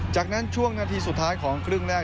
จากนั้นช่วงนาทีสุดท้ายของครึ่งแรก